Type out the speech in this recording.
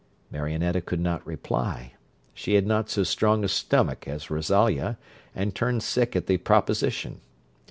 Marionetta could not reply; she had not so strong a stomach as Rosalia, and turned sick at the proposition.